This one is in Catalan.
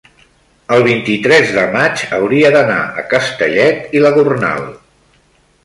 el vint-i-tres de maig hauria d'anar a Castellet i la Gornal.